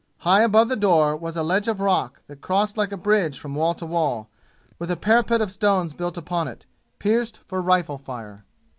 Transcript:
High above the door was a ledge of rock that crossed like a bridge from wall to wall, with a parapet of stone built upon it, pierced for rifle fire.